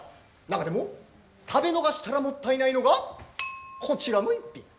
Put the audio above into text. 中でも食べ逃したらもったいないのがこちらの一品。